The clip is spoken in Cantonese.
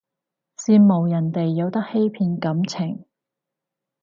羨慕人哋有得欺騙感情